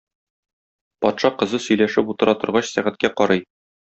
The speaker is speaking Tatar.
Патша кызы сөйләшеп утыра торгач сәгатькә карый.